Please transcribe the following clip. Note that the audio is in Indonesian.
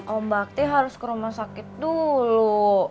om bakti harus ke rumah sakit dulu